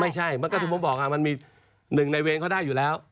ไม่ใช่มันก็ที่ผมบอกมันมีหนึ่งในเวรเขาได้อยู่แล้ว